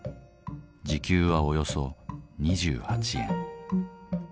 時給はおよそ２８円。